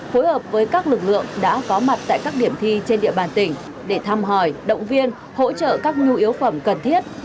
phối hợp với các lực lượng đã có mặt tại các điểm thi trên địa bàn tỉnh để thăm hỏi động viên hỗ trợ các nhu yếu phẩm cần thiết